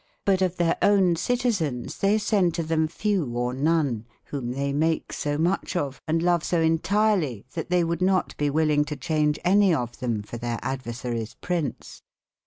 Butof tbeire ownecy/ tyzeins tbey sende to tbem fewe or none, wbome tbey make so mucb of, and love so intierlye, tbat tbey would not be will ing to cbaunge anye of tbem for tbeirad/ versaries prince.